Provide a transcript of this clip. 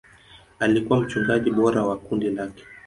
Alikuwa mchungaji bora wa kundi lake.